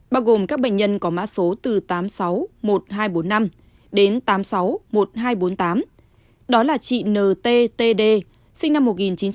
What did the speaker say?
bao gồm các bệnh nhân có mã số từ tám trăm sáu mươi một nghìn hai trăm bốn mươi năm đến tám trăm sáu mươi một nghìn hai trăm bốn mươi tám đó là chị nt td sinh năm một nghìn chín trăm chín mươi sáu